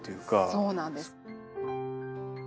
そうなんです。